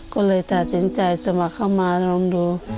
ก็เลยตัดสินใจสมัครเข้ามาลองดู